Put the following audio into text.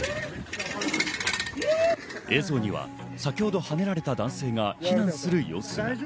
映像には先ほど、はねられた男性が避難する様子が。